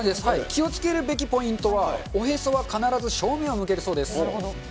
気をつけるべきポイントは、おへそは必ず正面を向けるそうです。